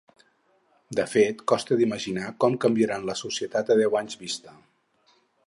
De fet, costa d’imaginar com canviaran la societat a deu anys vista.